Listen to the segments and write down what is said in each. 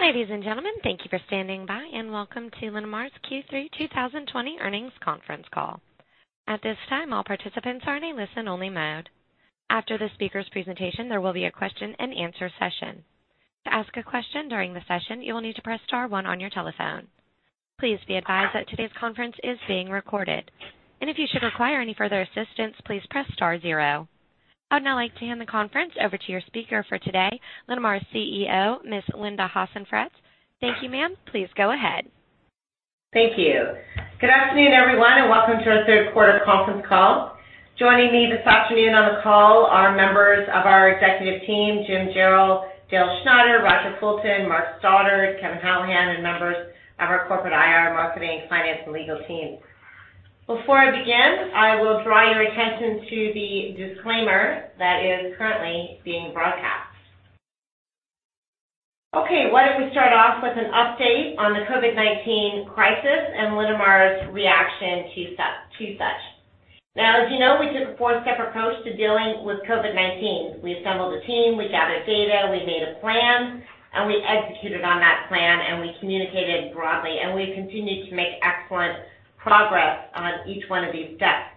Ladies and gentlemen, thank you for standing by, and welcome to Linamar's Q3 2020 Earnings Conference Call. At this time, all participants are in a listen-only mode. After the speaker's presentation, there will be a question-and-answer session. To ask a question during the session, you will need to press star one on your telephone. Please be advised that today's conference is being recorded. If you should require any further assistance, please press star zero. I would now like to hand the conference over to your speaker for today, Linamar's CEO, Miss Linda Hasenfratz. Thank you, ma'am. Please go ahead. Thank you. Good afternoon, everyone, and welcome to our third quarter conference call. Joining me this afternoon on the call are members of our executive team, Jim Jarrell, Dale Schneider, Roger Fulton, Mark Stoddart, Kevin Hallahan, and members of our corporate IR, marketing, finance, and legal team. Before I begin, I will draw your attention to the disclaimer that is currently being broadcast. Okay. Why don't we start off with an update on the COVID-19 crisis and Linamar's reaction to such. As you know, we took a four-step approach to dealing with COVID-19. We assembled a team, we gathered data, we made a plan, and we executed on that plan, and we communicated broadly. We continued to make excellent progress on each one of these steps.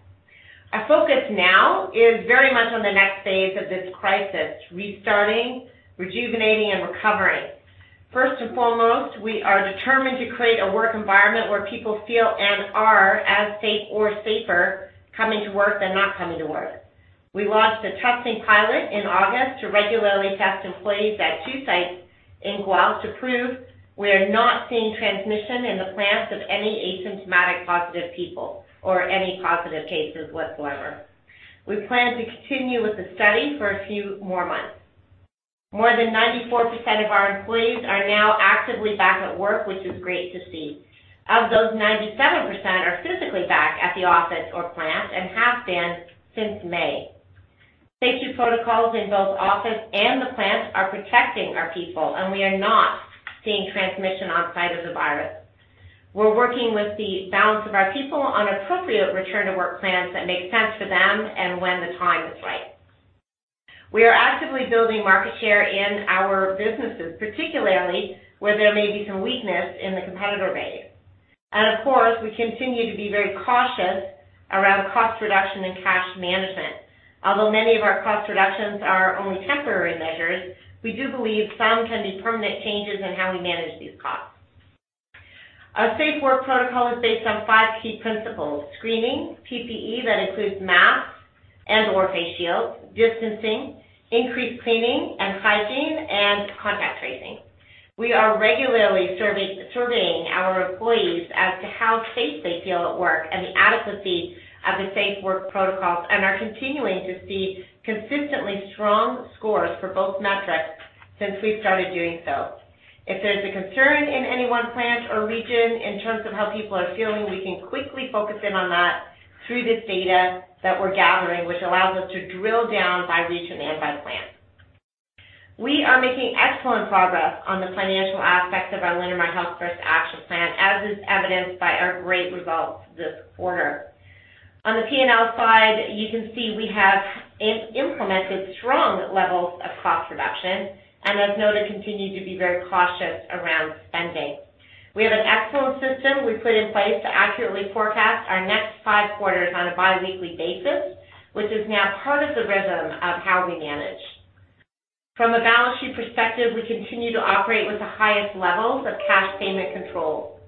Our focus now is very much on the next phase of this crisis, restarting, rejuvenating, and recovering. First and foremost, we are determined to create a work environment where people feel and are as safe or safer coming to work than not coming to work. We launched a testing pilot in August to regularly test employees at two sites in Guelph to prove we're not seeing transmission in the plants of any asymptomatic positive people or any positive cases whatsoever. We plan to continue with the study for a few more months. More than 94% of our employees are now actively back at work, which is great to see. Of those, 97% are physically back at the office or plant and have been since May. Safety protocols in both office and the plants are protecting our people, and we are not seeing transmission onsite of the virus. We're working with the balance of our people on appropriate return-to-work plans that make sense for them and when the time is right. We are actively building market share in our businesses, particularly where there may be some weakness in the competitor base. Of course, we continue to be very cautious around cost reduction and cash management. Although many of our cost reductions are only temporary measures, we do believe some can be permanent changes in how we manage these costs. Our safe work protocol is based on five key principles: screening, PPE that includes masks and or face shields, distancing, increased cleaning and hygiene, and contact tracing. We are regularly surveying our employees as to how safe they feel at work and the adequacy of the safe work protocols and are continuing to see consistently strong scores for both metrics since we've started doing so. If there's a concern in any one plant or region in terms of how people are feeling, we can quickly focus in on that through this data that we're gathering, which allows us to drill down by region and by plant. We are making excellent progress on the financial aspects of our Linamar Health First action plan, as is evidenced by our great results this quarter. On the P&L side, you can see we have implemented strong levels of cost reduction and as noted, continue to be very cautious around spending. We have an excellent system we put in place to accurately forecast our next five quarters on a biweekly basis, which is now part of the rhythm of how we manage. From a balance sheet perspective, we continue to operate with the highest levels of cash payment control.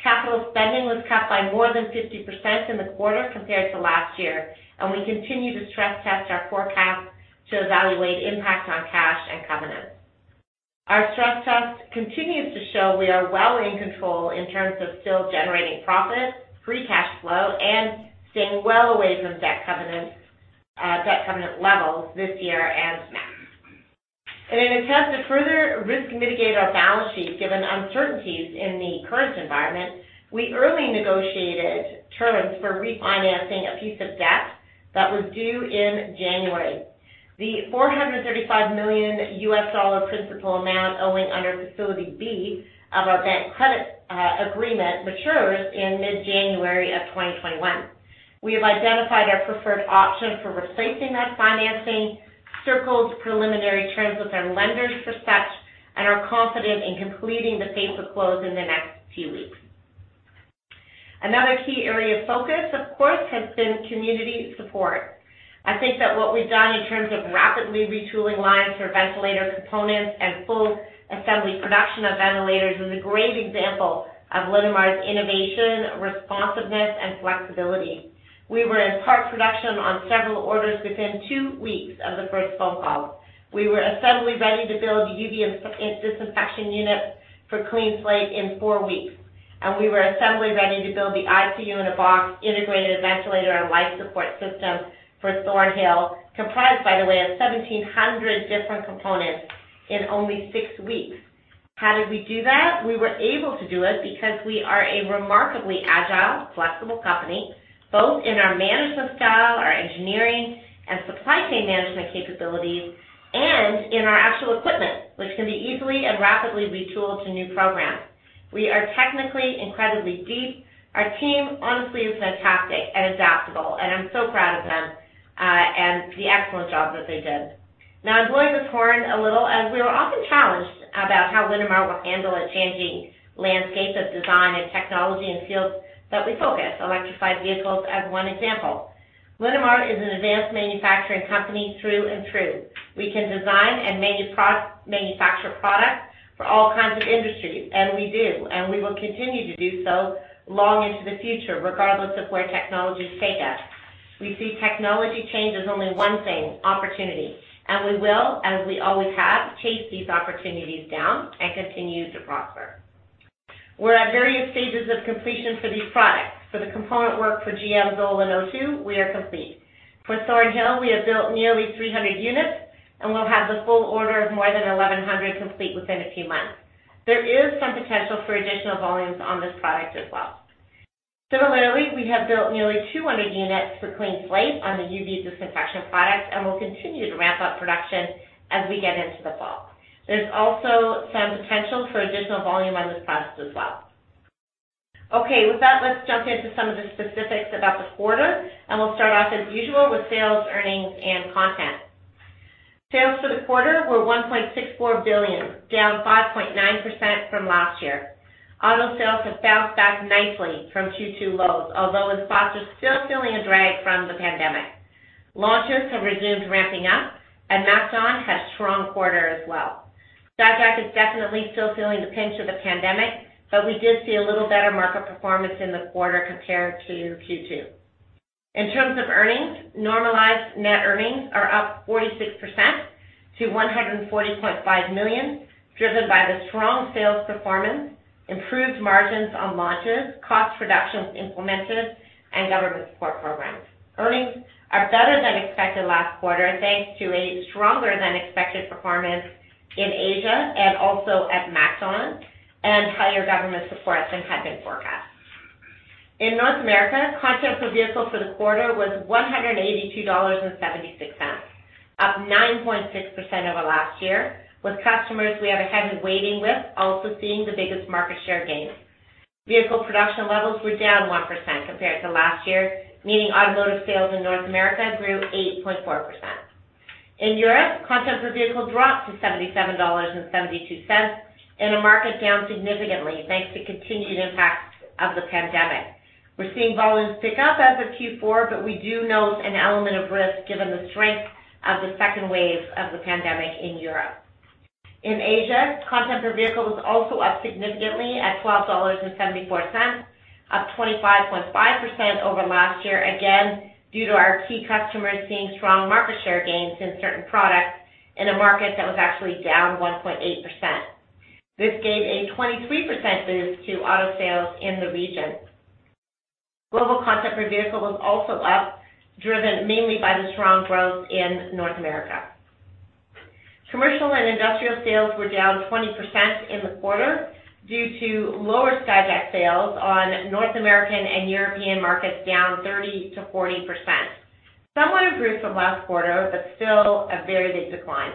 Capital spending was cut by more than 50% in the quarter compared to last year. We continue to stress test our forecasts to evaluate impact on cash and covenants. Our stress test continues to show we are well in control in terms of still generating profit, free cash flow, and staying well away from debt covenant levels this year and next. In an attempt to further risk mitigate our balance sheet, given the uncertainties in the current environment, we early negotiated terms for refinancing a piece of debt that was due in January. The CAD 435 million principal amount owing under Facility B of our bank credit agreement matures in mid-January of 2021. We have identified our preferred option for replacing that financing, circled preliminary terms with our lenders for such, and are confident in completing the paper close in the next few weeks. Another key area of focus, of course, has been community support. I think that what we've done in terms of rapidly retooling lines for ventilator components and full assembly production of ventilators is a great example of Linamar's innovation, responsiveness, and flexibility. We were in part production on several orders within two weeks of the first phone call. We were assembly-ready to build UV disinfection units for CleanSlate in four weeks, and we were assembly-ready to build the ICU in a box integrated ventilator and life support system for Thornhill, comprised by the way, of 1,700 different components, in only six weeks. How did we do that? We were able to do it because we are a remarkably agile, flexible company, both in our management style, our engineering, and supply chain management capabilities, and in our actual equipment, which can be easily and rapidly retooled to new programs. We are technically incredibly deep. Our team honestly is fantastic and adaptable, and I'm so proud of them. The excellent job that they did. Now I blow this horn a little as we are often challenged about how Linamar will handle a changing landscape of design and technology in fields that we focus, electrified vehicles as one example. Linamar is an advanced manufacturing company through and through. We can design and manufacture products for all kinds of industries, and we do, and we will continue to do so long into the future, regardless of where technologies take us. We see technology change as only one thing, opportunity, and we will, as we always have, chase these opportunities down and continue to prosper. We're at various stages of completion for these products. For the component work for GM, ZOLL and O-Two, we are complete. For Thornhill, we have built nearly 300 units, and we'll have the full order of more than 1,100 complete within a few months. There is some potential for additional volumes on this product as well. Similarly, we have built nearly 200 units for CleanSlate on the UV disinfection product, and we'll continue to ramp up production as we get into the fall. There's also some potential for additional volume on this product as well. Okay, with that, let's jump into some of the specifics about the quarter. We'll start off as usual with sales, earnings, and content. Sales for the quarter were 1.64 billion, down 5.9% from last year. Auto sales have bounced back nicely from Q2 lows, although with Skyjack are still feeling a drag from the pandemic. Launches have resumed ramping up. MacDon had a strong quarter as well. Skyjack is definitely still feeling the pinch of the pandemic, but we did see a little better markup performance in the quarter compared to Q2. In terms of earnings, normalized net earnings are up 46% to 140.5 million, driven by the strong sales performance, improved margins on launches, cost reductions implemented, and government support programs. Earnings are better than expected last quarter, thanks to a stronger than expected performance in Asia and also at MacDon, and higher government support than had been forecast. In North America, content per vehicle for the quarter was 182.76 dollars, up 9.6% over last year, with customers we have a heavy weighting with also seeing the biggest market share gains. Vehicle production levels were down 1% compared to last year, meaning automotive sales in North America grew 8.4%. In Europe, content per vehicle dropped to $77.72 in a market down significantly, thanks to continued impacts of the pandemic. We're seeing volumes pick up as of Q4, but we do note an element of risk given the strength of the second wave of the pandemic in Europe. In Asia, content per vehicle was also up significantly at 12.74 dollars, up 25.5% over last year, again due to our key customers seeing strong market share gains in certain products in a market that was actually down 1.8%. This gave a 23% boost to auto sales in the region. Global content per vehicle was also up, driven mainly by the strong growth in North America. Commercial and industrial sales were down 20% in the quarter due to lower Skyjack sales on North American and European markets down 30%-40%. Somewhat improved from last quarter, but still a very big decline.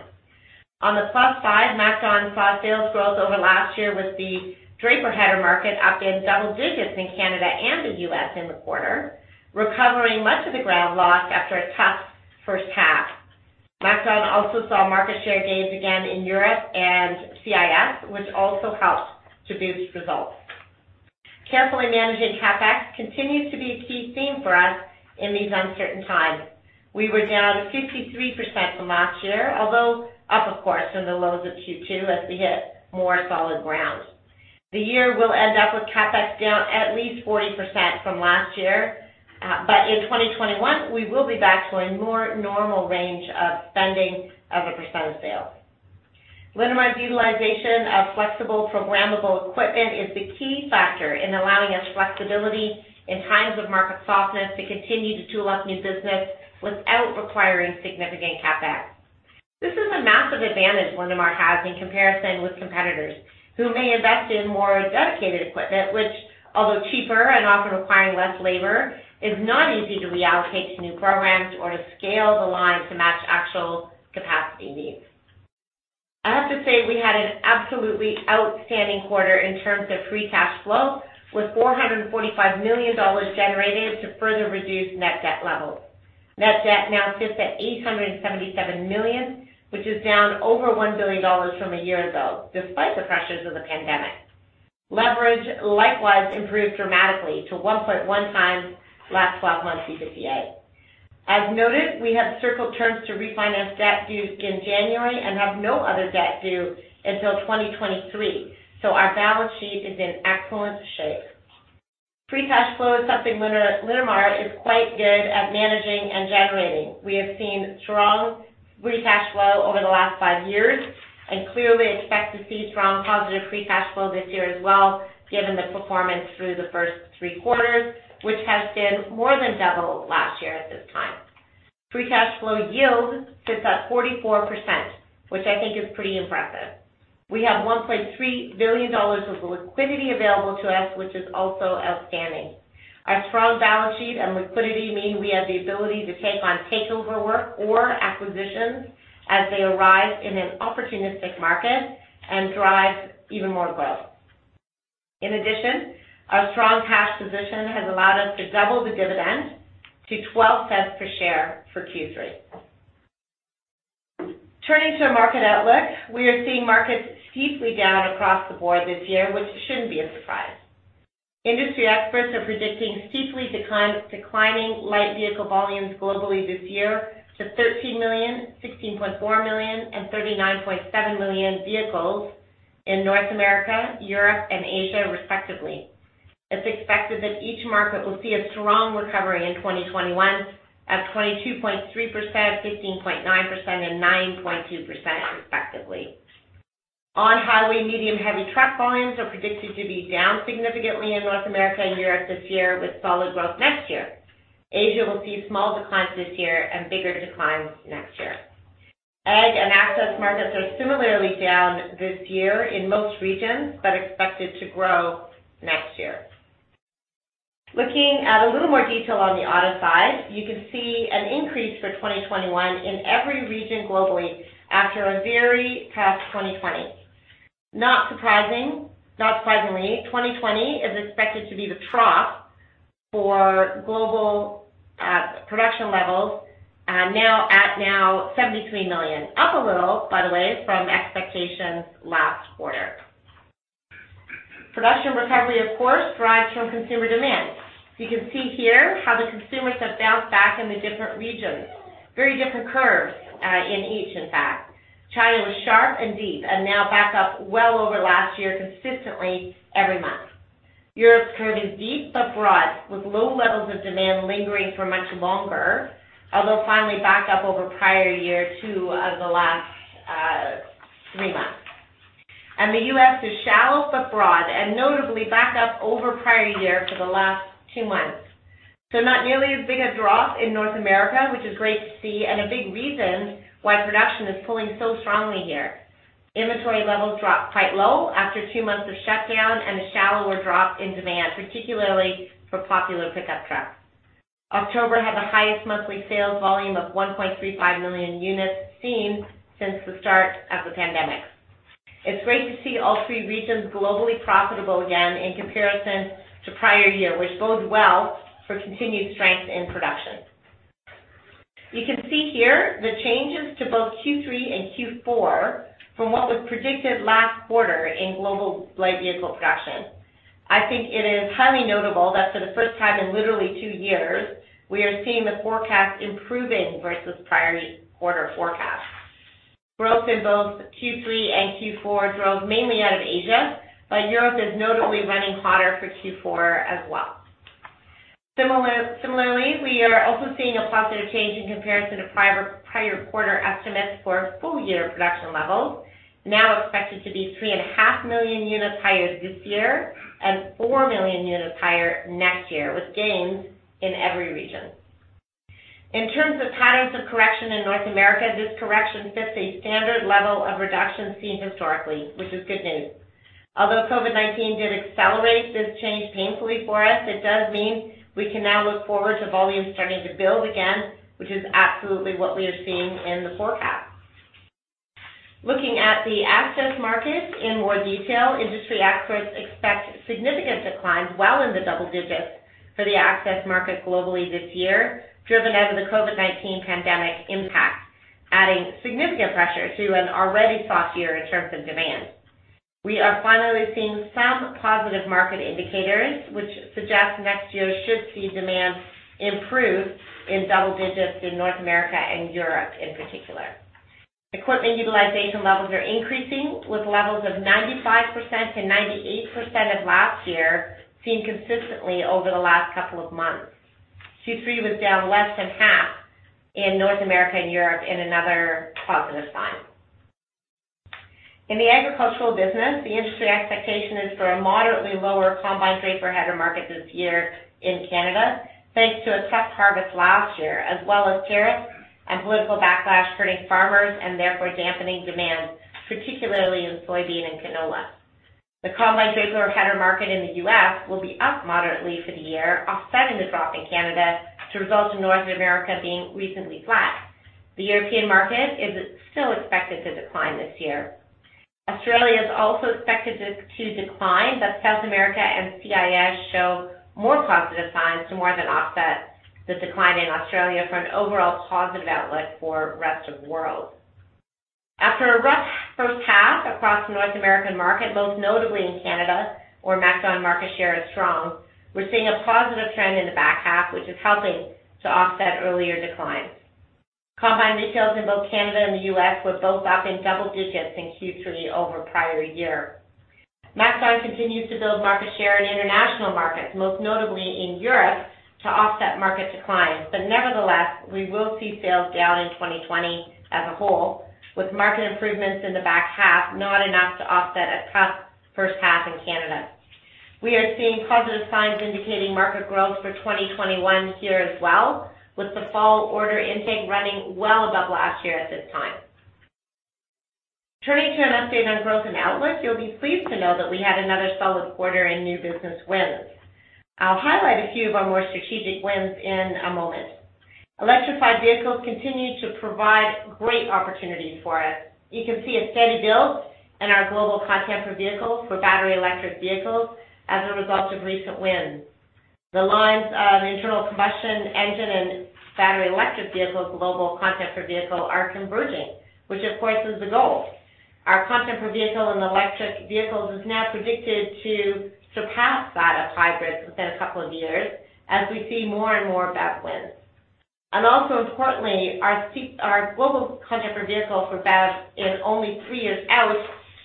On the plus side, MacDon saw sales growth over last year with the draper header market up in double digits in Canada and the U.S. in the quarter, recovering much of the ground lost after a tough first half. MacDon also saw market share gains again in Europe and CIS, which also helped to boost results. Carefully managing CapEx continues to be a key theme for us in these uncertain times. We were down 53% from last year, although up, of course, from the lows of Q2 as we hit more solid ground. The year will end up with CapEx down at least 40% from last year. In 2021, we will be back to a more normal range of spending of a percent of sales. Linamar's utilization of flexible programmable equipment is the key factor in allowing us flexibility in times of market softness to continue to tool up new business without requiring significant CapEx. This is a massive advantage Linamar has in comparison with competitors who may invest in more dedicated equipment, which, although cheaper and often requiring less labor, is not easy to reallocate to new programs or to scale the line to match actual capacity needs. I have to say we had an absolutely outstanding quarter in terms of free cash flow, with $445 million generated to further reduce net debt levels. Net debt now sits at $877 million, which is down over $1 billion from a year ago, despite the pressures of the pandemic. Leverage likewise improved dramatically to 1.1x last 12 months EBITDA. As noted, we have circled terms to refinance debt due again in January and have no other debt due until 2023, so our balance sheet is in excellent shape. Free cash flow is something Linamar is quite good at managing and generating. We have seen strong free cash flow over the last five years and clearly expect to see strong positive free cash flow this year as well, given the performance through the first three quarters, which has been more than double last year at this time. Free cash flow yield sits at 44%, which I think is pretty impressive. We have $1.3 billion of liquidity available to us, which is also outstanding. Our strong balance sheet and liquidity mean we have the ability to take on takeover work or acquisitions as they arise in an opportunistic market and drive even more growth. In addition, our strong cash position has allowed us to double the dividend to $0.12 per share for Q3. Turning to our market outlook, we are seeing markets steeply down across the board this year, which shouldn't be a surprise. Industry experts are predicting steeply declining light vehicle volumes globally this year to 13 million, 16.4 million, and 39.7 million vehicles in North America, Europe, and Asia, respectively. It's expected that each market will see a strong recovery in 2021 at 22.3%, 15.9% and 9.2% respectively. On-highway medium-heavy truck volumes are predicted to be down significantly in North America and Europe this year, with solid growth next year. Asia will see small declines this year and bigger declines next year. Ag and access markets are similarly down this year in most regions, but expected to grow next year. Looking at a little more detail on the auto side, you can see an increase for 2021 in every region globally after a very tough 2020. Not surprisingly, 2020 is expected to be the trough for global production levels, now at 73 million, up a little, by the way, from expectations last quarter. Production recovery, of course, thrives from consumer demand. You can see here how the consumers have bounced back in the different regions. Very different curves in each, in fact. China was sharp and deep and now back up well over last year consistently every month. Europe's curve is deep but broad, with low levels of demand lingering for much longer, although finally back up over prior year two of the last three months. The U.S. is shallow but broad and notably back up over prior year for the last two months. Not nearly as big a drop in North America, which is great to see and a big reason why production is pulling so strongly here. Inventory levels dropped quite low after two months of shutdown and a shallower drop in demand, particularly for popular pickup trucks. October had the highest monthly sales volume of 1.35 million units seen since the start of the pandemic. It's great to see all three regions globally profitable again in comparison to prior year, which bodes well for continued strength in production. You can see here the changes to both Q3 and Q4 from what was predicted last quarter in global light vehicle production. I think it is highly notable that for the first time in literally two years, we are seeing the forecast improving versus prior quarter forecast. Growth in both Q3 and Q4 drove mainly out of Asia, but Europe is notably running hotter for Q4 as well. Similarly, we are also seeing a positive change in comparison to prior quarter estimates for full year production levels, now expected to be 3.5 million units higher this year and 4 million units higher next year with gains in every region. In terms of patterns of correction in North America, this correction fits a standard level of reduction seen historically, which is good news. Although COVID-19 did accelerate this change painfully for us, it does mean we can now look forward to volumes starting to build again, which is absolutely what we are seeing in the forecast. Looking at the access markets in more detail, industry experts expect significant declines well into double digits for the access market globally this year, driven out of the COVID-19 pandemic impact, adding significant pressure to an already soft year in terms of demand. We are finally seeing some positive market indicators, which suggest next year should see demand improve in double digits in North America and Europe in particular. Equipment utilization levels are increasing, with levels of 95% and 98% of last year seen consistently over the last couple of months. Q3 was down less than half in North America and Europe in another positive sign. In the agricultural business, the industry expectation is for a moderately lower combine draper header market this year in Canada, thanks to a tough harvest last year, as well as tariffs and political backlash hurting farmers and therefore dampening demand, particularly in soybean and canola. The combine draper header market in the U.S. will be up moderately for the year, offsetting the drop in Canada to result in North America being recently flat. The European market is still expected to decline this year. Australia is also expected to decline. South America and CIS show more positive signs to more than offset the decline in Australia for an overall positive outlook for rest of world. After a rough first half across the North American market, most notably in Canada, where MacDon market share is strong, we're seeing a positive trend in the back half, which is helping to offset earlier declines. Combine retails in both Canada and the U.S. were both up in double digits in Q3 over prior year. MacDon continues to build market share in international markets, most notably in Europe, to offset market declines. Nevertheless, we will see sales down in 2020 as a whole, with market improvements in the back half not enough to offset a tough first half in Canada. We are seeing positive signs indicating market growth for 2021 here as well, with the fall order intake running well above last year at this time. Turning to an update on growth and outlook, you'll be pleased to know that we had another solid quarter in new business wins. I'll highlight a few of our more strategic wins in a moment. Electrified vehicles continue to provide great opportunities for us. You can see a steady build in our global content per vehicle for battery electric vehicles as a result of recent wins. The lines on internal combustion engine and battery electric vehicles global content per vehicle are converging, which of course is the goal. Our content per vehicle in electric vehicles is now predicted to surpass that of hybrids within a couple of years as we see more and more BEV wins. Also importantly, our global content per vehicle for BEVs in only three years out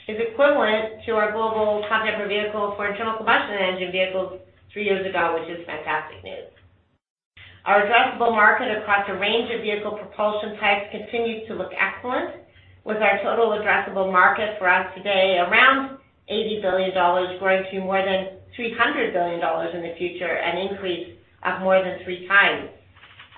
is equivalent to our global content per vehicle for internal combustion engine vehicles three years ago, which is fantastic news. Our addressable market across a range of vehicle propulsion types continues to look excellent, with our total addressable market for us today around $80 billion, growing to more than $300 billion in the future, an increase of more than three times.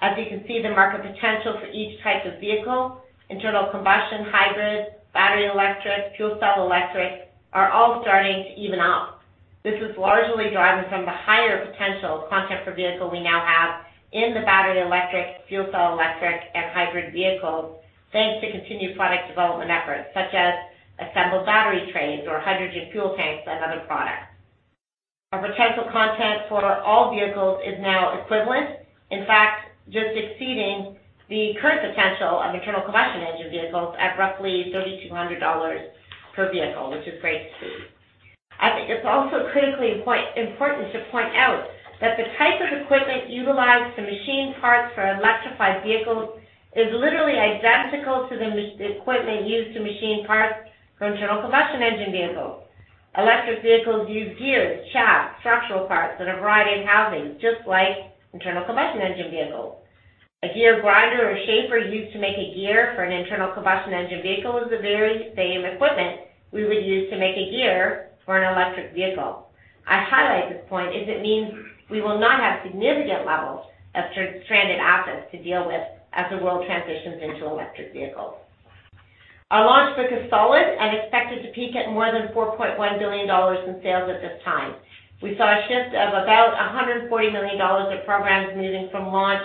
As you can see, the market potential for each type of vehicle, internal combustion, hybrid, battery electric, fuel cell electric, are all starting to even up. This is largely driven from the higher potential content per vehicle we now have in the battery electric, fuel cell electric, and hybrid vehicles, thanks to continued product development efforts such as assembled battery trays or hydrogen fuel tanks and other products. Our potential content for all vehicles is now equivalent, in fact, just exceeding the current potential of internal combustion engine vehicles at roughly $3,200 per vehicle, which is great to see. I think it's also critically important to point out that the type of equipment utilized to machine parts for electrified vehicles is literally identical to the equipment used to machine parts for internal combustion engine vehicles. Electric vehicles use gears, shafts, structural parts, and a variety of housings, just like internal combustion engine vehicles. A gear grinder or a shaper used to make a gear for an internal combustion engine vehicle is the very same equipment we would use to make a gear for an electric vehicle. I highlight this point as it means we will not have significant levels of stranded assets to deal with as the world transitions into electric vehicles. Our launch book is solid and expected to peak at more than $4.1 billion in sales at this time. We saw a shift of about $140 million of programs moving from launch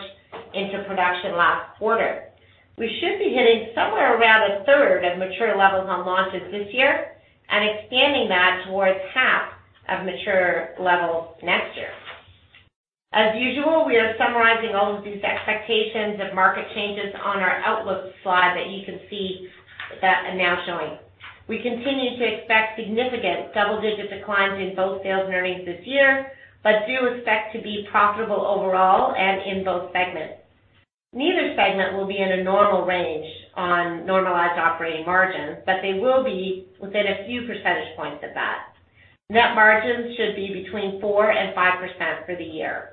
into production last quarter. We should be hitting somewhere around a third of mature levels on launches this year and expanding that towards half of mature levels next year. As usual, we are summarizing all of these expectations of market changes on our outlook slide that you can see now showing. We continue to expect significant double-digit declines in both sales and earnings this year, but do expect to be profitable overall and in both segments. Neither segment will be in a normal range on normalized operating margins, but they will be within a few percentage points of that. Net margins should be between 4% and 5% for the year.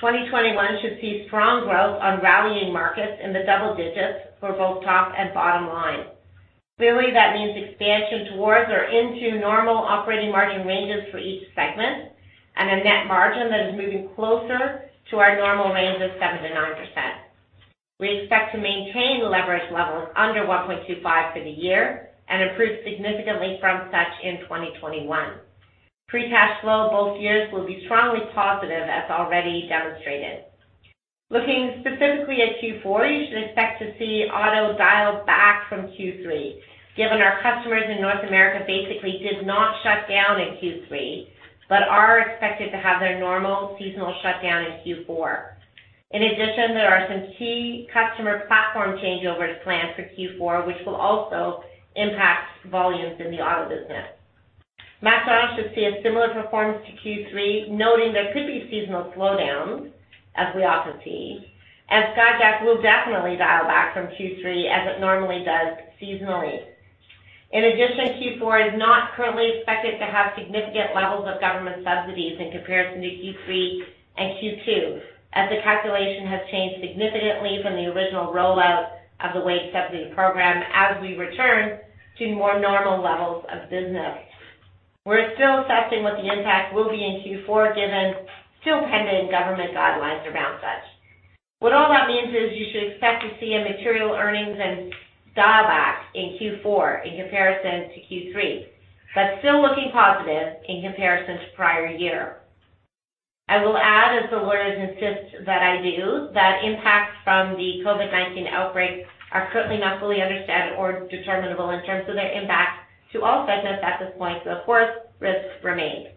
2021 should see strong growth on rallying markets in the double digits for both top and bottom line. Clearly, that means expansion towards or into normal operating margin ranges for each segment and a net margin that is moving closer to our normal range of 7%-9%. We expect to maintain leverage levels under 1.25 for the year and improve significantly from such in 2021. Free cash flow both years will be strongly positive, as already demonstrated. Looking specifically at Q4, you should expect to see auto dial back from Q3, given our customers in North America basically did not shut down in Q3, but are expected to have their normal seasonal shutdown in Q4. In addition, there are some key customer platform changeovers planned for Q4, which will also impact volumes in the auto business. MacDon should see a similar performance to Q3, noting there could be seasonal slowdowns, as we often see, and Skyjack will definitely dial back from Q3 as it normally does seasonally. In addition, Q4 is not currently expected to have significant levels of government subsidies in comparison to Q3 and Q2, as the calculation has changed significantly from the original rollout of the wage subsidy program as we return to more normal levels of business. We're still assessing what the impact will be in Q4, given still-pending government guidelines around such. What all that means is you should expect to see a material earnings and dial back in Q4 in comparison to Q3, but still looking positive in comparison to prior year. I will add, as the lawyers insist that I do, that impacts from the COVID-19 outbreak are currently not fully understood or determinable in terms of their impact to all segments at this point, so of course, risks remain.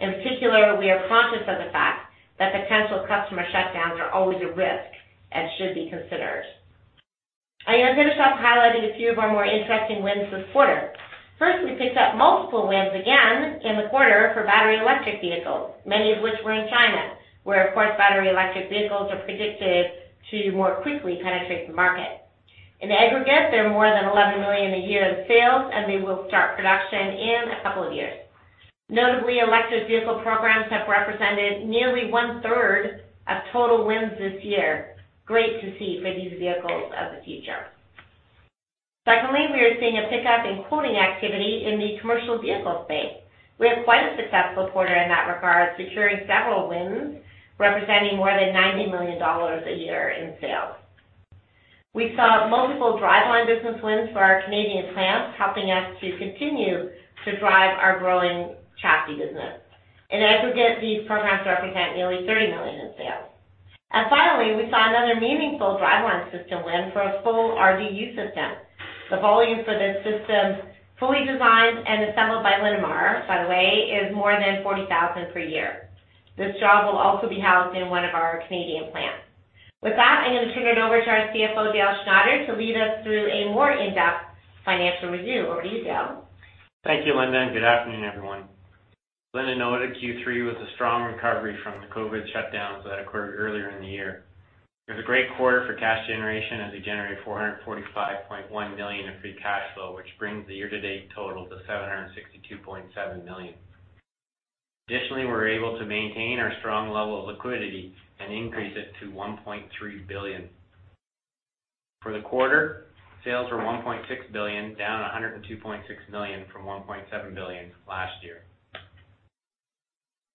In particular, we are conscious of the fact that potential customer shutdowns are always a risk and should be considered. I am going to finish off highlighting a few of our more interesting wins this quarter. First, we picked up multiple wins again in the quarter for battery electric vehicles, many of which were in China, where, of course, battery electric vehicles are predicted to more quickly penetrate the market. In aggregate, they're more than $11 million a year of sales, and they will start production in a couple of years. Notably, electric vehicle programs have represented nearly one-third of total wins this year. Great to see for these vehicles of the future. Secondly, we are seeing a pickup in quoting activity in the commercial vehicle space. We had quite a successful quarter in that regard, securing several wins representing more than $90 million a year in sales. We saw multiple driveline business wins for our Canadian plants, helping us to continue to drive our growing chassis business. In aggregate, these programs represent nearly $30 million in sales. Finally, we saw another meaningful driveline system win for a full RDU system. The volume for this system, fully designed and assembled by Linamar, by the way, is more than 40,000 per year. This job will also be housed in one of our Canadian plants. With that, I'm going to turn it over to our CFO, Dale Schneider, to lead us through a more in-depth financial review. Over to you, Dale. Thank you, Linda, and good afternoon, everyone. Linda noted Q3 was a strong recovery from the COVID shutdowns that occurred earlier in the year. It was a great quarter for cash generation, as we generated $445.1 million in free cash flow, which brings the year-to-date total to $762.7 million. Additionally, we were able to maintain our strong level of liquidity and increase it to $1.3 billion. For the quarter, sales were $1.6 billion, down $102.6 million from $1.7 billion last year.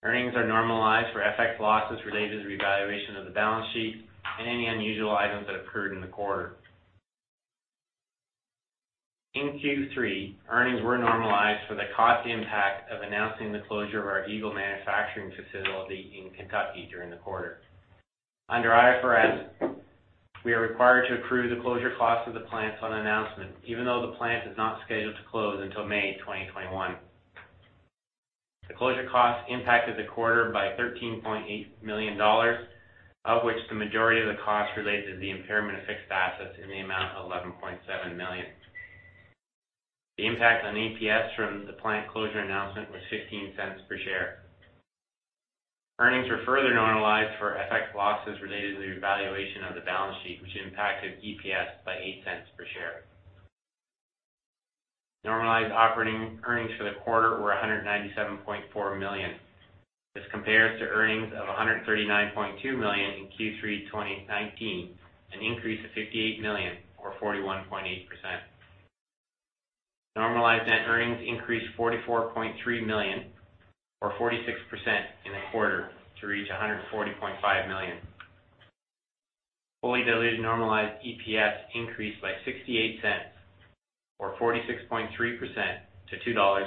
Earnings are normalized for FX losses related to the revaluation of the balance sheet and any unusual items that occurred in the quarter. In Q3, earnings were normalized for the cost impact of announcing the closure of our Eagle Manufacturing facility in Kentucky during the quarter. Under IFRS, we are required to accrue the closure costs of the plants on announcement, even though the plant is not scheduled to close until May 2021. The closure costs impacted the quarter by $13.8 million, of which the majority of the cost related to the impairment of fixed assets in the amount of 11.7 million. The impact on EPS from the plant closure announcement was $0.15 per share. Earnings were further normalized for FX losses related to the revaluation of the balance sheet, which impacted EPS by 0.08 per share. Normalized operating earnings for the quarter were 197.4 million. This compares to earnings of 139.2 million in Q3 2019, an increase of 58 million or 41.8%. Normalized net earnings increased 44.3 million or 46% in the quarter to reach 140.5 million. Fully diluted normalized EPS increased by 0.68 or 46.3% to 2.15 dollars.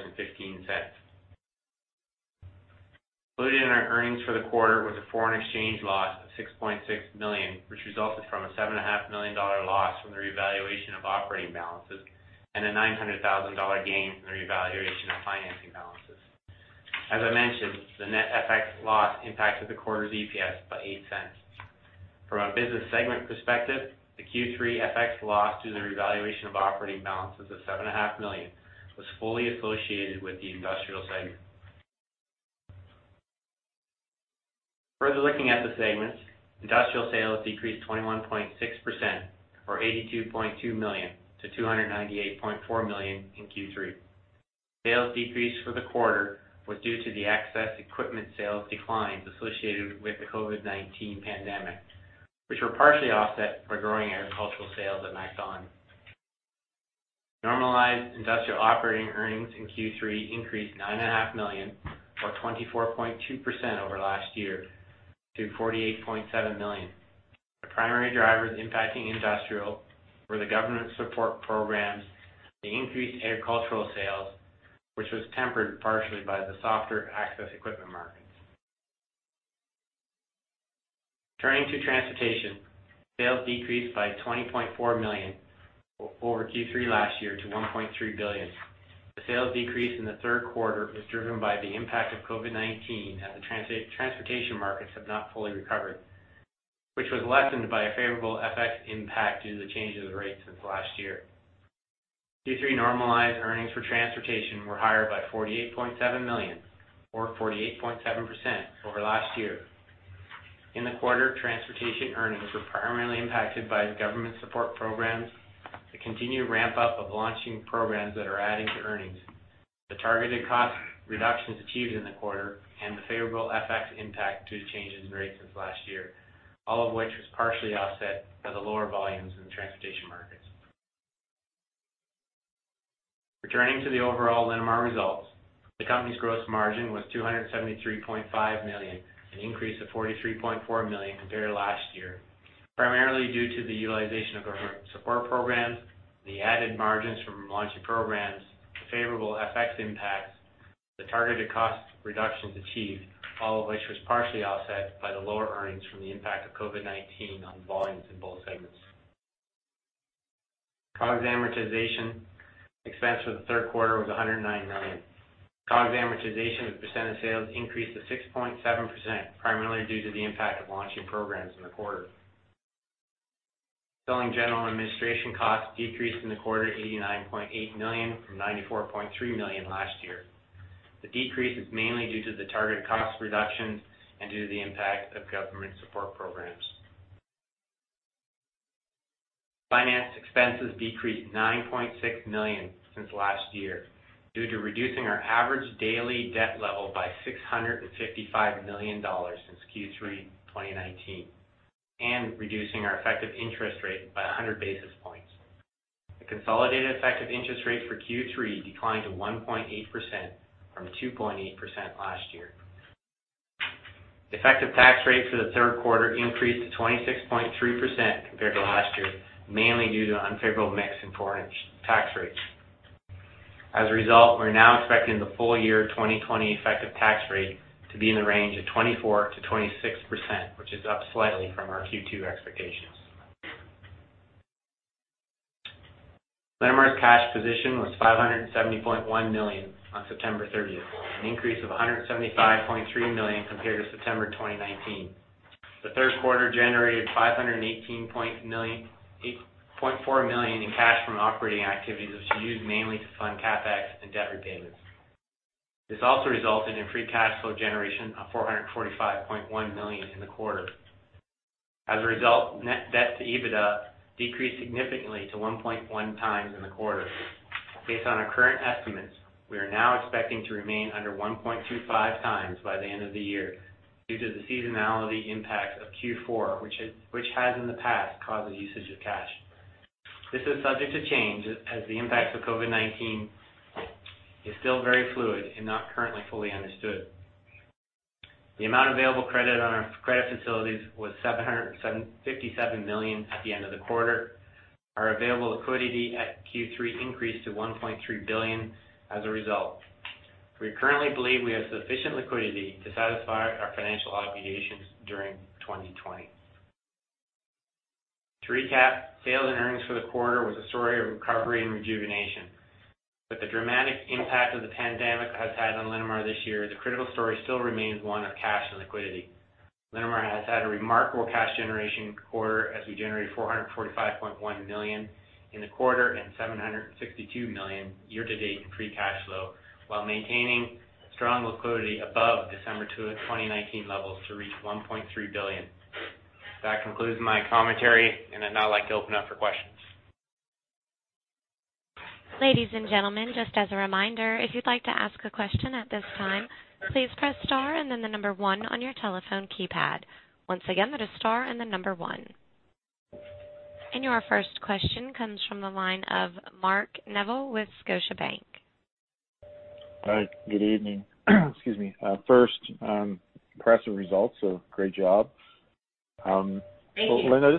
Included in our earnings for the quarter was a foreign exchange loss of 6.6 million, which resulted from a 7.5 million dollar loss from the revaluation of operating balances and a 900,000 dollar gain from the revaluation of financing balances. As I mentioned, the net FX loss impacted the quarter's EPS by 0.08. From a business segment perspective, the Q3 FX loss due to the revaluation of operating balances of 7.5 million was fully associated with the Industrial segment. Further looking at the segments, Industrial sales decreased 21.6% or 82.2 million to 298.4 million in Q3. Sales decrease for the quarter was due to the access equipment sales declines associated with the COVID-19 pandemic, which were partially offset by growing agricultural sales at MacDon. Normalized Industrial operating earnings in Q3 increased 9.5 million or 24.2% over last year to 48.7 million. The primary drivers impacting industrial were the government support programs, the increased agricultural sales, which was tempered partially by the softer access equipment markets. Turning to transportation, sales decreased by 20.4 million over Q3 last year to 1.3 billion. The sales decrease in the third quarter was driven by the impact of COVID-19, as the transportation markets have not fully recovered, which was lessened by a favorable FX impact due to the change of the rate since last year. Q3 normalized earnings for transportation were higher by 48.7 million or 48.7% over last year. In the quarter, transportation earnings were primarily impacted by government support programs, the continued ramp-up of launching programs that are adding to earnings, the targeted cost reductions achieved in the quarter, and the favorable FX impact due to changes in rates since last year, all of which was partially offset by the lower volumes in the transportation markets. Returning to the overall Linamar results, the company's gross margin was 273.5 million, an increase of 43.4 million compared to last year, primarily due to the utilization of government support programs, the added margins from launching programs, the favorable FX impacts, the targeted cost reductions achieved, all of which was partially offset by the lower earnings from the impact of COVID-19 on volumes in both segments. COGS amortization expense for the third quarter was 109 million. COGS amortization as a percent of sales increased to 6.7%, primarily due to the impact of launching programs in the quarter. Selling General Administration Costs decreased in the quarter to 89.8 million from 94.3 million last year. The decrease is mainly due to the targeted cost reductions and due to the impact of government support programs. Finance expenses decreased 9.6 million since last year due to reducing our average daily debt level by 655 million dollars since Q3 2019 and reducing our effective interest rate by 100 basis points. The consolidated effective interest rate for Q3 declined to 1.8% from 2.8% last year. The effective tax rate for the third quarter increased to 26.3% compared to last year, mainly due to an unfavorable mix in foreign tax rates. As a result, we're now expecting the full year 2020 effective tax rate to be in the range of 24%-26%, which is up slightly from our Q2 expectations. Linamar's cash position was 570.1 million on September 30th, an increase of 175.3 million compared to September 2019. The third quarter generated 518.4 million in cash from operating activities, which was used mainly to fund CapEx and debt repayments. This also resulted in free cash flow generation of 445.1 million in the quarter. As a result, net debt to EBITDA decreased significantly to 1.1x in the quarter. Based on our current estimates, we are now expecting to remain under 1.25x by the end of the year due to the seasonality impact of Q4, which has in the past caused the usage of cash. This is subject to change as the impact of COVID-19 is still very fluid and not currently fully understood. The amount of available credit on our credit facilities was 757 million at the end of the quarter. Our available liquidity at Q3 increased to 1.3 billion as a result. We currently believe we have sufficient liquidity to satisfy our financial obligations during 2020. To recap, sales and earnings for the quarter was a story of recovery and rejuvenation. With the dramatic impact of the pandemic has had on Linamar this year, the critical story still remains one of cash and liquidity. Linamar has had a remarkable cash generation quarter as we generate 445.1 million in the quarter and 762 million year to date in free cash flow, while maintaining strong liquidity above December 2019 levels to reach 1.3 billion. That concludes my commentary, and I'd now like to open up for questions. Ladies and gentlemen, just as a reminder, if you'd like to ask a question at this time, please press star and then the number one on your telephone keypad. Once again, that is star and the number one. Your first question comes from the line of Mark Neville with Scotiabank. All right. Good evening. Excuse me. First, impressive results, so great job. Thank you. Linda,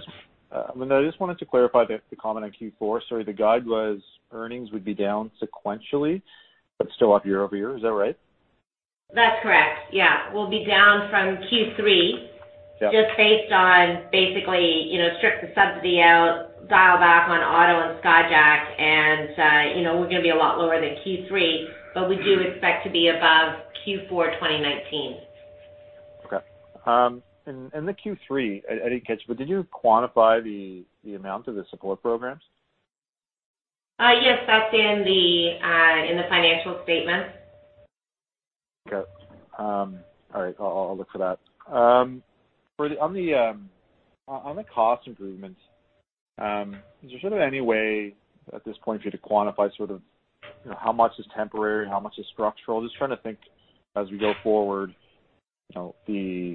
I just wanted to clarify the comment on Q4. Sorry. The guide was earnings would be down sequentially, but still up year-over-year. Is that right? That's correct. Yeah. We'll be down from Q3 Yeah Based on basically, strip the subsidy out, dial back on auto and Skyjack and we're going to be a lot lower than Q3, but we do expect to be above Q4 2019. Okay. In the Q3, I didn't catch, but did you quantify the amount of the support programs? Yes, that's in the financial statements. Okay. All right. I'll look for that. On the cost improvements, is there sort of any way at this point for you to quantify sort of how much is temporary, how much is structural? Just trying to think as we go forward, I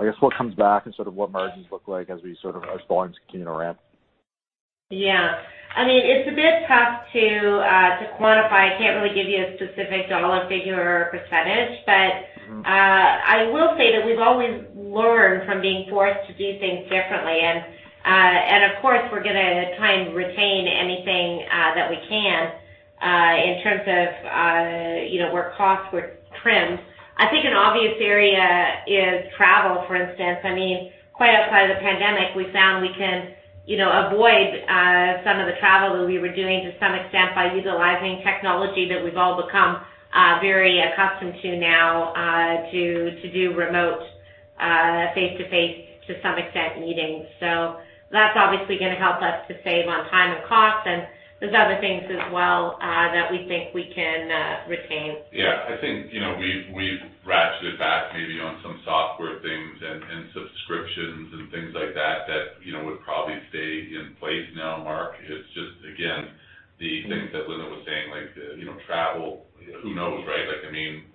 guess what comes back and sort of what margins look like as volumes continue to ramp. Yeah. It's a bit tough to quantify. I can't really give you a specific dollar figure or percentage. I will say that we've always learned from being forced to do things differently. Of course, we're going to try and retain anything that we can in terms of where costs were trimmed. I think an obvious area is travel, for instance. Quite outside of the pandemic, we found we can avoid some of the travel that we were doing to some extent by utilizing technology that we've all become very accustomed to now to do remote face-to-face, to some extent, meetings. That's obviously going to help us to save on time and cost, and there's other things as well that we think we can retain. Yeah, I think we've ratcheted back maybe on some software things and subscriptions and things like that would probably stay in place now, Mark. It's just, again, the things that Linda was saying, like travel. Who knows, right?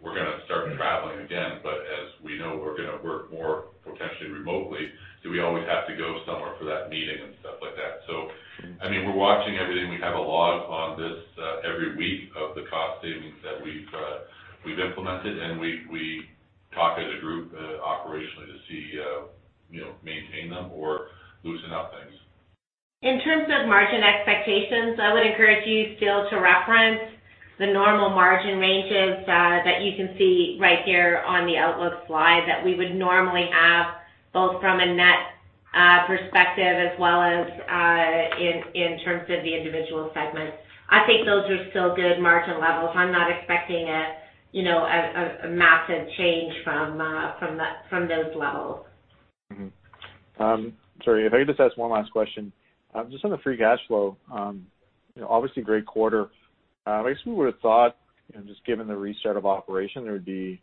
We're going to start traveling again, but as we know, we're going to work more potentially remotely. Do we always have to go somewhere for that meeting and stuff like that? We're watching everything. We have a log on this every week of the cost savings that we've implemented, and we talk as a group operationally to see, maintain them or loosen up things. In terms of margin expectations, I would encourage you still to reference the normal margin ranges that you can see right here on the outlook slide that we would normally have, both from a net perspective as well as in terms of the individual segments. I think those are still good margin levels. I am not expecting a massive change from those levels. Sorry, if I could just ask one last question. Just on the free cash flow. Obviously great quarter. I guess we would've thought, just given the restart of operation, there would be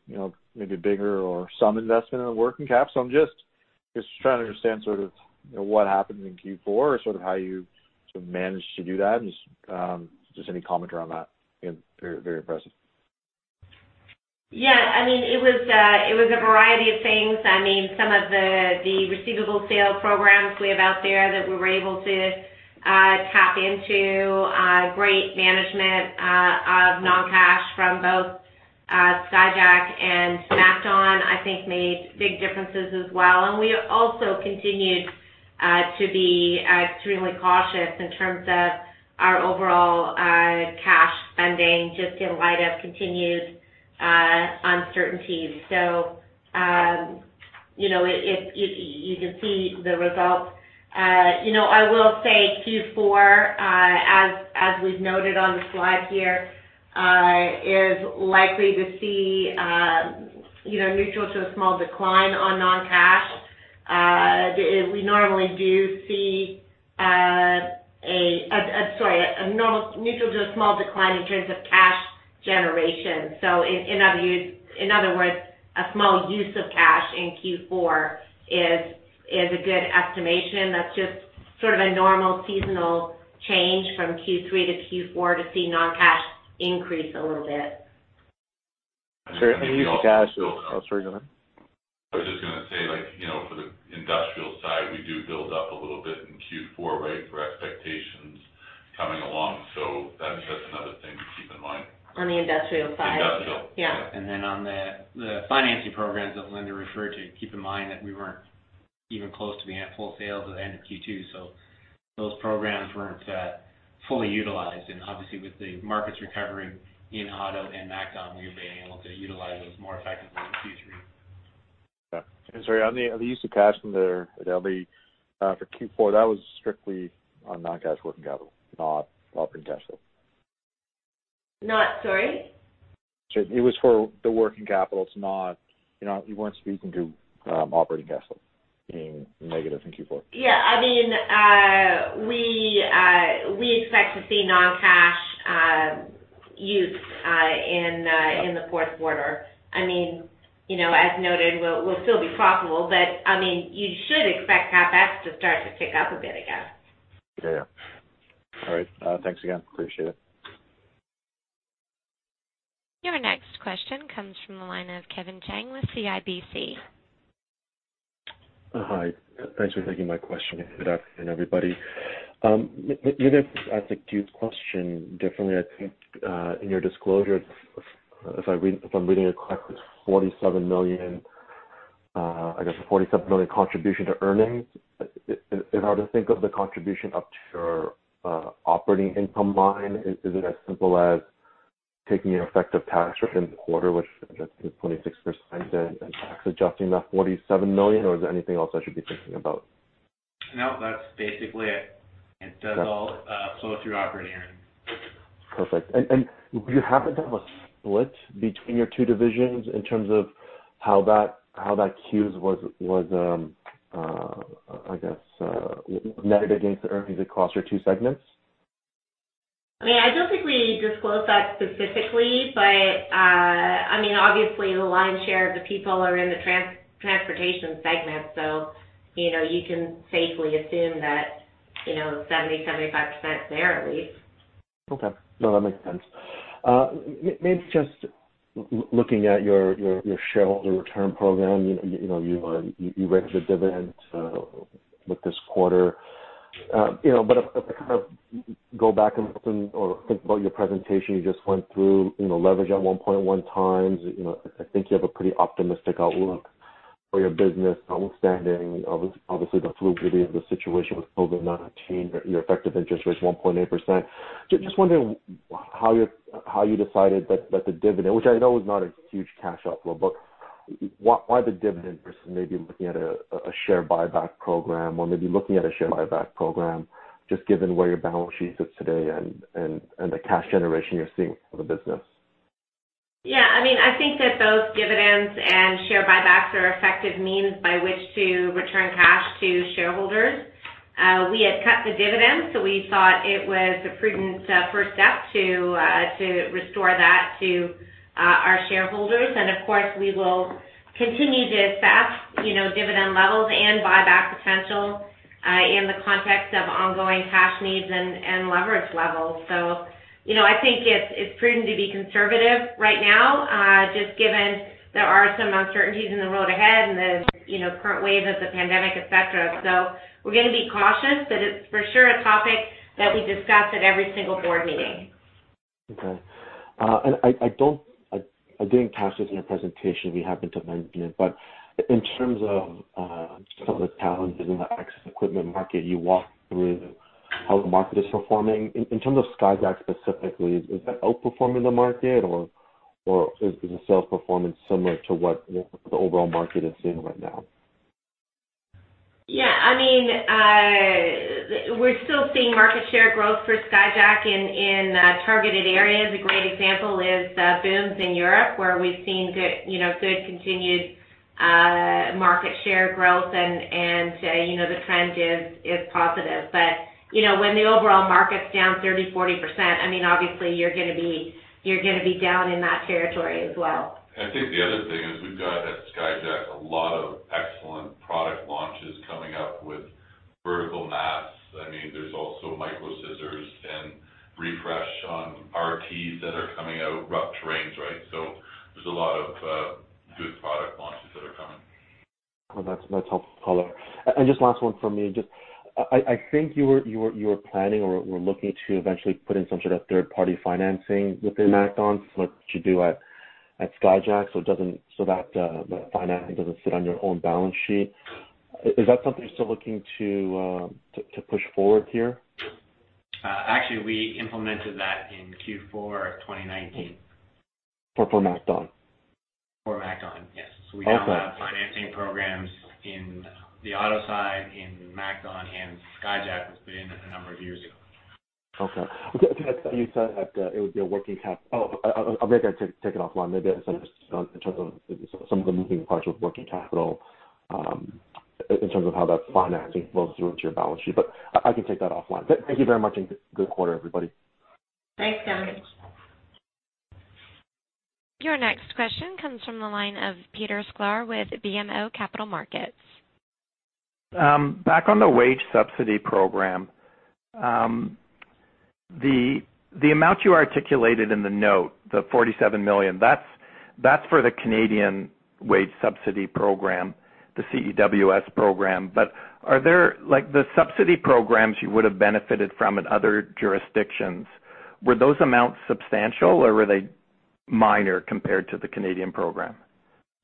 maybe bigger or some investment in the working cap. I'm just trying to understand sort of what happened in Q4 or sort of how you managed to do that, and just any commentary on that. Very impressive. Yeah. It was a variety of things. Some of the receivable sale programs we have out there that we were able to tap into great management of non-cash from both Skyjack and MacDon, I think, made big differences as well. We also continued to be extremely cautious in terms of our overall cash spending, just in light of continued uncertainties. You can see the results. I will say Q4, as we've noted on the slide here, is likely to see neutral to a small decline on non-cash. We normally do see neutral to a small decline in terms of cash generation. In other words, a small use of cash in Q4 is a good estimation. That's just sort of a normal seasonal change from Q3 to Q4 to see non-cash increase a little bit. Sir, use of cash. Oh, sorry. Go ahead. I was just going to say, for the industrial side, we do build up a little bit in Q4, right, for expectations coming along. That's just another thing to keep in mind. On the industrial side. Industrial. Yeah. Then on the financing programs that Linda referred to, keep in mind that we weren't even close to being at full sales at the end of Q2. Those programs weren't fully utilized. Obviously, with the markets recovering in auto and MacDon, we've been able to utilize those more effectively in Q3. Sorry, on the use of cash from there at LV for Q4, that was strictly on non-cash working capital, not operating cash flow. Not, sorry? It was for the working capital. You weren't speaking to operating cash flow being negative in Q4. Yeah. We expect to see non-cash use in the fourth quarter. As noted, we'll still be profitable, but you should expect CapEx to start to tick up a bit again. Yeah. All right. Thanks again. Appreciate it. Your next question comes from the line of Kevin Chiang with CIBC. Hi. Thanks for taking my question. Good afternoon, everybody. I'll ask a Q question differently. I think, in your disclosure, if I'm reading it correctly, 47 million, I guess a 47 million contribution to earnings. If I were to think of the contribution up to your operating income line, is it as simple as taking an effective tax rate in the quarter, which I guess is 26%, and tax adjusting that 47 million, or is there anything else I should be thinking about? No, that's basically it. It does all flow through operating earnings. Perfect. You happen to have a split between your two divisions in terms of how that CEWS was, I guess, netted against the earnings across your two segments? I don't think we disclose that specifically, but obviously the lion's share of the people are in the transportation segment, so you can safely assume that, 70%-75% there at least. Okay. No, that makes sense. Maybe just looking at your shareholder return program, you raised the dividend with this quarter. If I kind of go back and listen or think about your presentation you just went through, leverage at 1.1 times, I think you have a pretty optimistic outlook for your business outstanding. Obviously, the fluidity of the situation with COVID-19, your effective interest rate is 1.8%. Just wondering how you decided that the dividend, which I know is not a huge cash outflow, but why the dividend versus maybe looking at a share buyback program, just given where your balance sheet sits today and the cash generation you're seeing for the business? Yeah, I think that both dividends and share buybacks are effective means by which to return cash to shareholders. We had cut the dividend, so we thought it was a prudent first step to restore that to our shareholders. Of course, we will continue to assess dividend levels and buyback potential in the context of ongoing cash needs and leverage levels. I think it's prudent to be conservative right now, just given there are some uncertainties in the road ahead and the current wave of the pandemic, et cetera. We're going to be cautious, but it's for sure a topic that we discuss at every single board meeting. Okay. I didn't catch this in your presentation. We happen to mention it. In terms of some of the challenges in the access equipment market, you walked through how the market is performing. In terms of Skyjack specifically, is that outperforming the market, or is the sale performance similar to what the overall market is seeing right now? Yeah. We're still seeing market share growth for Skyjack in targeted areas. A great example is booms in Europe, where we've seen good continued market share growth and the trend is positive. When the overall market's down 30, 40%, obviously you're going to be down in that territory as well. I think the other thing is we've got, at Skyjack, a lot of excellent product launches coming up with vertical masts. There's also micro scissors and refreshed RTs that are coming out, rough terrains, right? There's a lot of good product launches that are coming. Well, that's helpful. Just last one from me, I think you were planning or were looking to eventually put in some sort of third-party financing within MacDon, similar to what you do at Skyjack, so that financing doesn't sit on your own balance sheet. Is that something you're still looking to push forward here? Actually, we implemented that in Q4 2019. For MacDon? For MacDon, yes. Okay. We now have financing programs in the auto side, in MacDon, and Skyjack has been in it a number of years ago. Okay. Oh, I'll make take it offline maybe, in terms of some of the moving parts with working capital, in terms of how that financing flows through into your balance sheet. I can take that offline. Thank you very much, and good quarter, everybody. Thanks, Kevin. Your next question comes from the line of Peter Sklar with BMO Capital Markets. Back on the wage subsidy program, the amount you articulated in the note, the 47 million, that's for the Canadian wage subsidy program, the CEWS program. The subsidy programs you would have benefited from in other jurisdictions, were those amounts substantial, or were they minor compared to the Canadian program?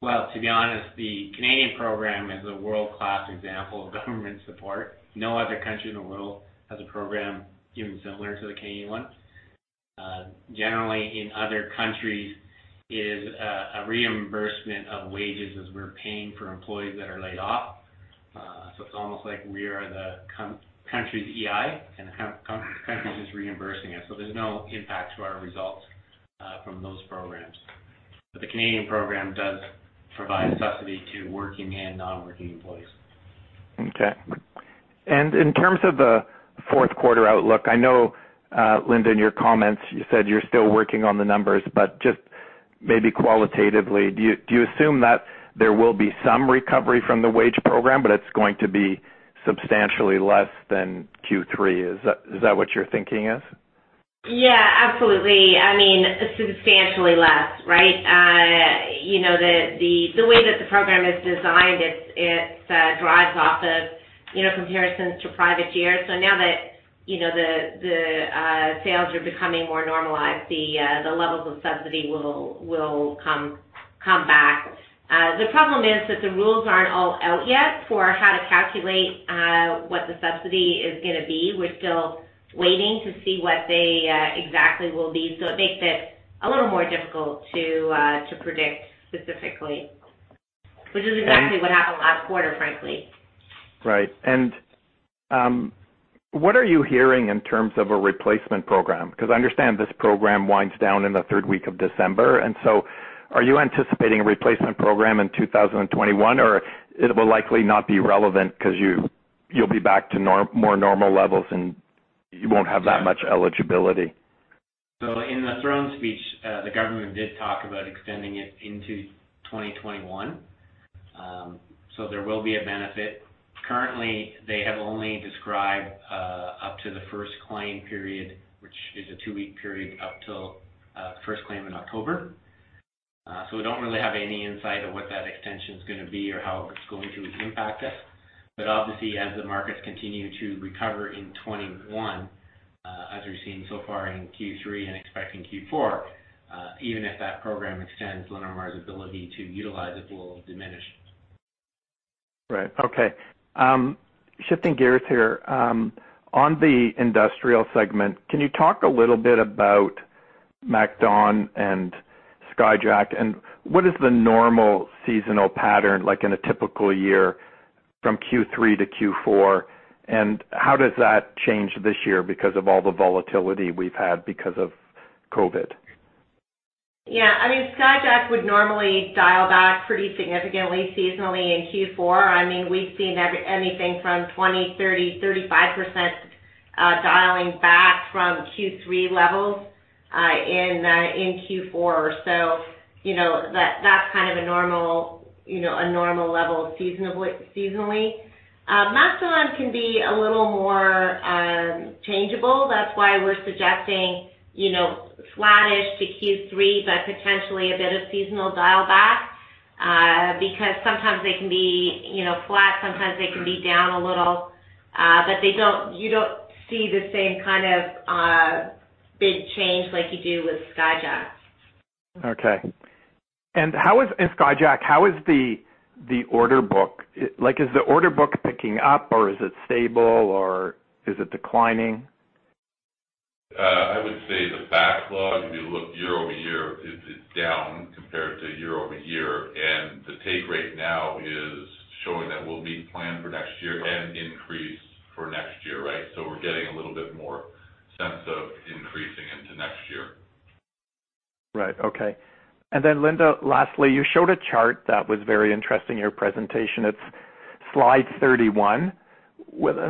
To be honest, the Canadian program is a world-class example of government support. No other country in the world has a program even similar to the Canadian one. Generally, in other countries, it is a reimbursement of wages as we're paying for employees that are laid off. It's almost like we are the country's EI, and the country's just reimbursing us. There's no impact to our results from those programs. The Canadian program does provide subsidy to working and non-working employees. Okay. In terms of the fourth quarter outlook, I know, Linda, in your comments, you said you're still working on the numbers, but just maybe qualitatively, do you assume that there will be some recovery from the wage program, but it's going to be substantially less than Q3? Is that what your thinking is? Yeah, absolutely. I mean, substantially less, right? The way that the program is designed, it drives off of comparisons to prior years. Now that the sales are becoming more normalized, the levels of subsidy will come back. The problem is that the rules aren't all out yet for how to calculate what the subsidy is gonna be. We're still waiting to see what they exactly will be. It makes it a little more difficult to predict specifically, which is exactly what happened last quarter, frankly. Right. What are you hearing in terms of a replacement program? Because I understand this program winds down in the third week of December, are you anticipating a replacement program in 2021, or it will likely not be relevant because you'll be back to more normal levels and you won't have that much eligibility? In the Throne Speech, the government did talk about extending it into 2021. There will be a benefit. Currently, they have only described up to the first claim period, which is a two-week period up till first claim in October. We don't really have any insight on what that extension's gonna be or how it's going to impact us. Obviously, as the markets continue to recover in 2021, as we've seen so far in Q3 and expect in Q4, even if that program extends, Linamar's ability to utilize it will diminish. Right. Okay. Shifting gears here. On the industrial segment, can you talk a little bit about MacDon and Skyjack, and what is the normal seasonal pattern, like in a typical year, from Q3 to Q4, and how does that change this year because of all the volatility we've had because of COVID? Yeah, Skyjack would normally dial back pretty significantly seasonally in Q4. We've seen anything from 20%, 30%, 35% dialing back from Q3 levels in Q4. That's a normal level seasonally. MacDon can be a little more changeable. That's why we're suggesting flattish to Q3, but potentially a bit of seasonal dial back, because sometimes they can be flat, sometimes they can be down a little, but you don't see the same kind of big change like you do with Skyjack.. Okay. Skyjack, how is the order book? Is the order book picking up, or is it stable, or is it declining? I would say the backlog, if you look year-over-year, is down compared to year-over-year, and the take rate now is showing that we'll meet plan for next year and increase for next year, right? We're getting a little bit more sense of increasing into next year. Right. Okay. Linda, lastly, you showed a chart that was very interesting in your presentation. It's slide 31.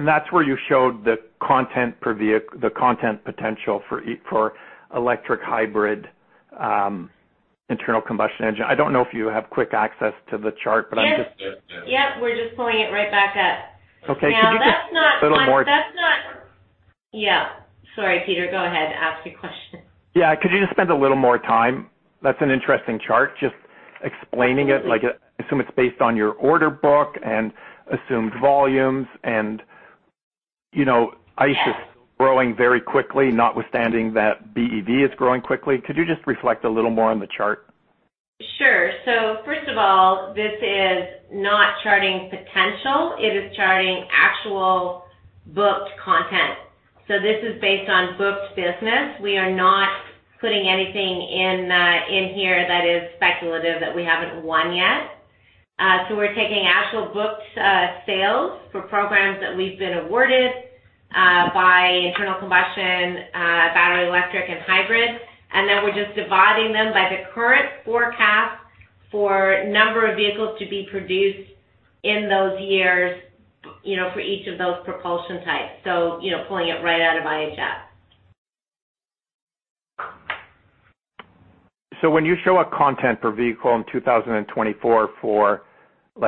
That's where you showed the content potential for electric, hybrid, internal combustion engine. I don't know if you have quick access to the chart. Yes. We're just pulling it right back up. Okay. Could you? Now, that's not A little more Yeah. Sorry, Peter, go ahead. Ask your question. Yeah. Could you just spend a little more time, that's an interesting chart, just explaining it. I assume it's based on your order book and assumed volumes. ICE is growing very quickly, notwithstanding that BEV is growing quickly. Could you just reflect a little more on the chart? Sure. First of all, this is not charting potential. It is charting actual booked content. This is based on booked business. We are not putting anything in here that is speculative that we haven't won yet. We're taking actual booked sales for programs that we've been awarded by internal combustion, battery electric, and hybrid, and then we're just dividing them by the current forecast for number of vehicles to be produced in those years for each of those propulsion types, pulling it right out of IHS. When you show a content per vehicle in 2024 for,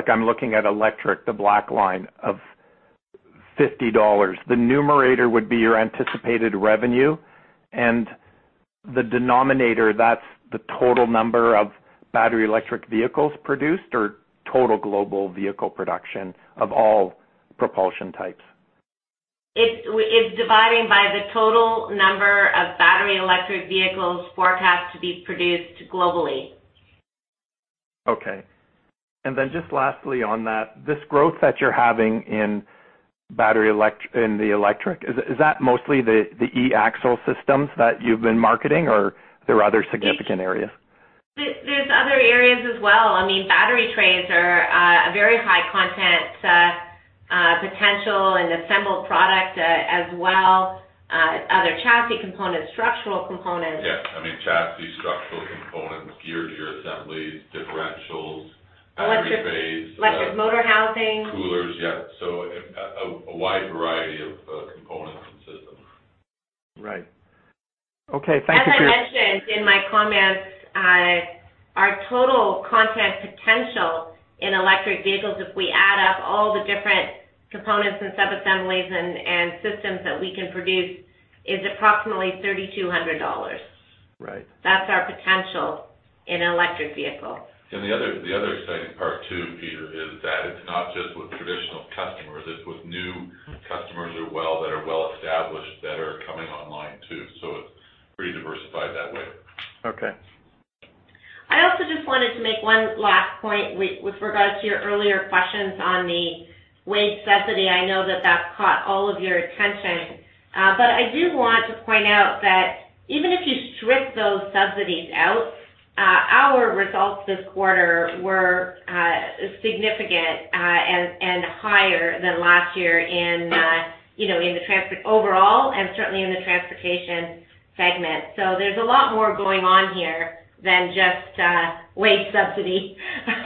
I'm looking at electric, the black line, of 50 dollars, the numerator would be your anticipated revenue, and the denominator, that's the total number of battery electric vehicles produced or total global vehicle production of all propulsion types? It's dividing by the total number of battery electric vehicles forecast to be produced globally. Okay. Just lastly on that, this growth that you're having in the electric, is that mostly the eAxle systems that you've been marketing, or there are other significant areas? There's other areas as well. Battery trays are a very high content potential and assembled product, as well other chassis components, structural components. Yeah. Chassis, structural components, gear to gear assemblies, differentials, battery trays. Electric motor housing. Coolers. Yeah. A wide variety of components and systems. Right. Okay. Thank you, Jim. As I mentioned in my comments, our total content potential in electric vehicles, if we add up all the different components and sub-assemblies and systems that we can produce, is approximately 3,200 dollars. Right. That's our potential in electric vehicles. The other exciting part too, Peter, is that it's not just with traditional customers, it's with new customers that are well established that are coming online, too. It's pretty diversified that way. Okay. I also just wanted to make one last point with regards to your earlier questions on the wage subsidy. I know that that caught all of your attention. I do want to point out that even if you strip those subsidies out, our results this quarter were significant and higher than last year overall and certainly in the Transportation segment. There's a lot more going on here than just wage subsidy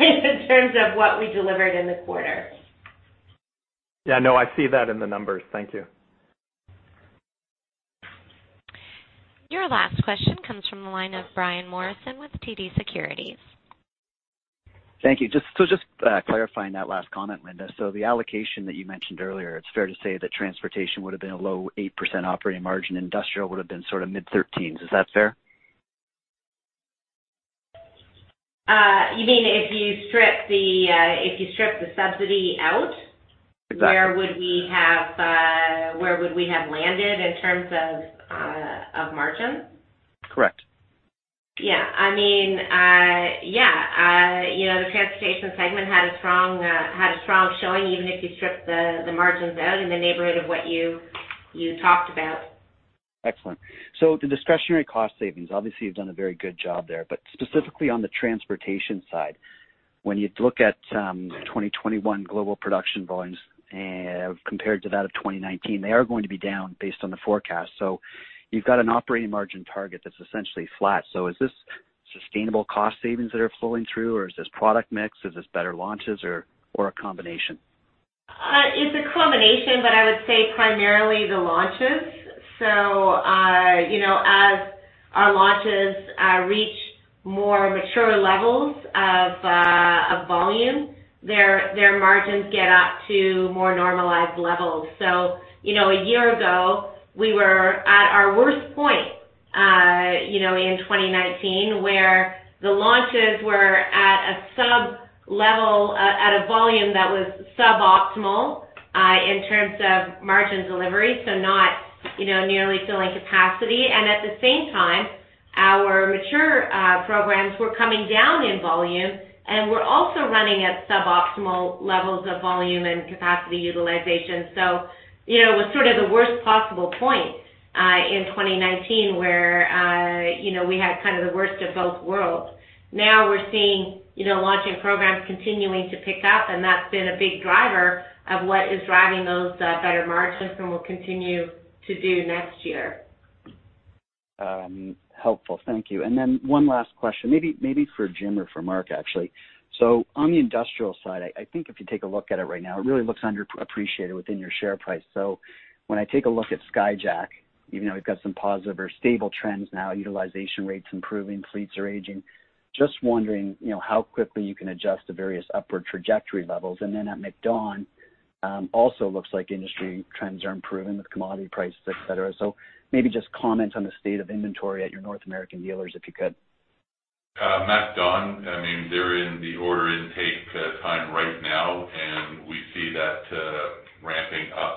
in terms of what we delivered in the quarter. Yeah, no, I see that in the numbers. Thank you. Your last question comes from the line of Brian Morrison with TD Securities. Thank you. Just clarifying that last comment, Linda. The allocation that you mentioned earlier, it's fair to say that transportation would've been a low 8% operating margin, industrial would've been mid-thirteens. Is that fair? You mean if you strip the subsidy out? Exactly. Where would we have landed in terms of margins? Correct. Yeah. The transportation segment had a strong showing even if you strip the margins out in the neighborhood of what you talked about. Excellent. The discretionary cost savings, obviously, you've done a very good job there, but specifically on the transportation side, when you look at 2021 global production volumes compared to that of 2019, they are going to be down based on the forecast. You've got an operating margin target that's essentially flat. Is this sustainable cost savings that are flowing through, or is this product mix? Is this better launches or a combination? It's a combination, but I would say primarily the launches. As our launches reach more mature levels of volume, their margins get up to more normalized levels. A year ago, we were at our worst point, in 2019, where the launches were at a volume that was suboptimal in terms of margin delivery, so not nearly filling capacity. At the same time, our mature programs were coming down in volume and were also running at suboptimal levels of volume and capacity utilization. It was the worst possible point, in 2019, where we had the worst of both worlds. Now we're seeing launching programs continuing to pick up, and that's been a big driver of what is driving those better margins and will continue to do next year. Helpful. Thank you. One last question. Maybe for Jim or for Mark, actually. On the industrial side, I think if you take a look at it right now, it really looks underappreciated within your share price. When I take a look at Skyjack, even though we've got some positive or stable trends now, utilization rates improving, fleets are aging. Just wondering, how quickly you can adjust the various upward trajectory levels? At MacDon, also looks like industry trends are improving with commodity prices, et cetera. Maybe just comment on the state of inventory at your North American dealers, if you could. MacDon, they're in the order intake time right now, and we see that ramping up.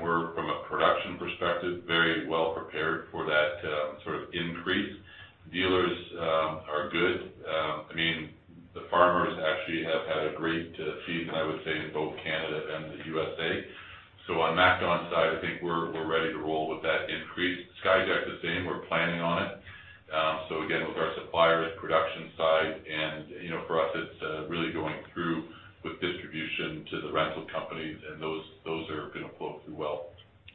We're, from a production perspective, very well prepared for that increase. Dealers are good. The farmers actually have had a great season, I would say, in both Canada and the U.S.A. On MacDon's side, I think we're ready to roll with that increase. Skyjack the same, we're planning on it. Again, with our suppliers, production side, and for us it's really going through with distribution to the rental companies, and those are going to flow through well.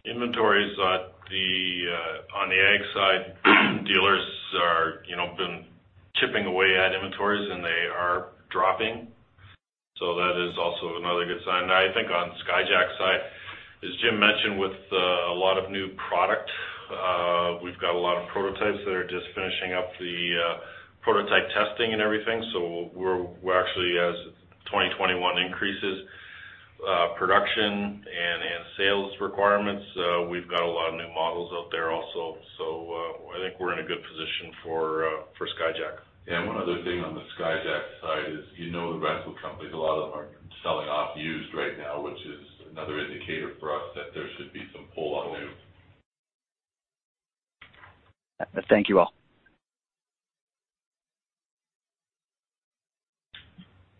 Inventories on the ag side, dealers been chipping away at inventories, they are dropping. That is also another good sign. I think on Skyjack's side, as Jim mentioned, with a lot of new product, we've got a lot of prototypes that are just finishing up the prototype testing and everything. We're actually, as 2021 increases production and sales requirements, we've got a lot of new models out there also. I think we're in a good position for Skyjack. Yeah. One other thing on the Skyjack side is, you know the rental companies, a lot of them are selling off used right now, which is another indicator for us that there should be some pull on new. Thank you all.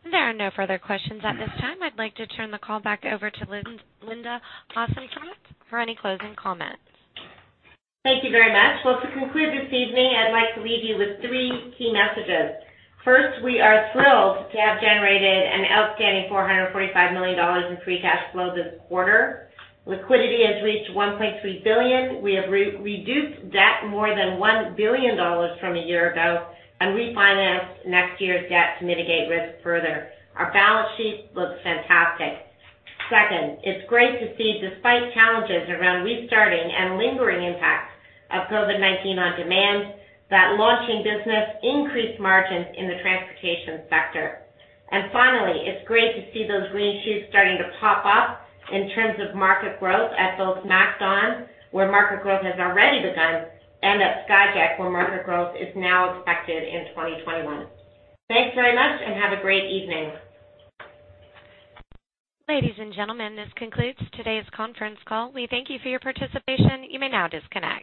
There are no further questions at this time. I'd like to turn the call back over to Linda Hasenfratz for any closing comments. Thank you very much. Well, to conclude this evening, I'd like to leave you with three key messages. We are thrilled to have generated an outstanding 445 million dollars in free cash flow this quarter. Liquidity has reached 1.3 billion. We have reduced debt more than 1 billion dollars from a year ago and refinanced next year's debt to mitigate risk further. Our balance sheet looks fantastic. It's great to see despite challenges around restarting and lingering impacts of COVID-19 on demand, that Linamar's business increased margins in the transportation sector. Finally, it's great to see those green shoots starting to pop up in terms of market growth at both MacDon, where market growth has already begun, and at Skyjack, where market growth is now expected in 2021. Thanks very much and have a great evening. Ladies and gentlemen, this concludes today's conference call. We thank you for your participation. You may now disconnect.